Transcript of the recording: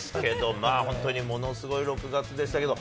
まあ本当にものすごい６月でしたけど。